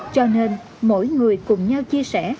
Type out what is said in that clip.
cho nên mỗi người cùng nhau chia sẻ